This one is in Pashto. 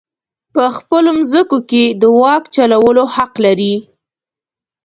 په خپلو مځکو کې د واک چلولو حق لري.